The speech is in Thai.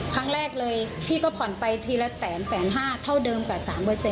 ครั้งแรกเลยพี่ก็ผ่อนไปทีละแสนห้าเท่าเดิม๘๓